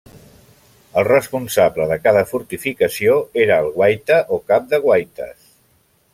El responsable de cada fortificació era el guaita o cap de guaites.